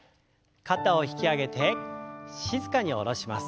肩を引き上げて静かに下ろします。